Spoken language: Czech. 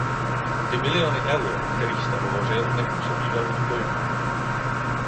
Ty miliony eur, o kterých jste hovořil, nepůsobí velkým dojmem.